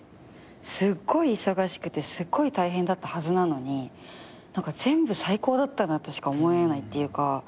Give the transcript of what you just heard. すっごい忙しくてすっごい大変だったはずなのに何か全部最高だったなとしか思えないっていうか。